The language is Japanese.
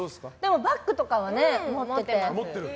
バッグとかは持っています。